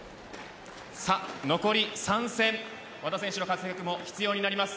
残り３戦和田選手の活躍も必要になります。